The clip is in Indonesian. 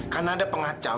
karena ada pengacau